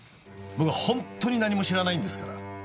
僕はホントに何も知らないんですから。